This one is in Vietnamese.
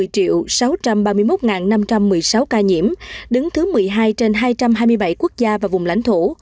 trong đó có chín sáu trăm một mươi sáu ca nhiễm đứng thứ một mươi hai trên hai trăm hai mươi bảy quốc gia và vùng lãnh thổ